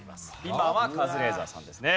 今はカズレーザーさんですね。